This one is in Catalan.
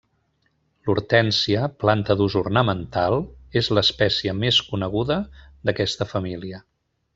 L'hortènsia, planta d'ús ornamental, és l'espècie més coneguda d'aquesta família.